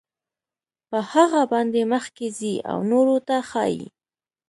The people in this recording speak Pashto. په هغه باندې مخکې ځي او نورو ته ښایي.